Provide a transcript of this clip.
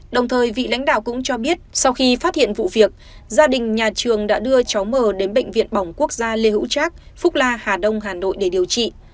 đồng thời vị lãnh đạo cũng cho biết sau khi phát hiện vụ việc gia đình nhà trường đã đưa cháu mờ đến bệnh viện bỏng quốc gia lê hữu trác phúc la hà đông hà nội để điều trị